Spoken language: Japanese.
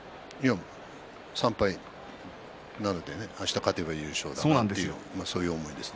３敗なのであした勝てば優勝なのでそういう思いです。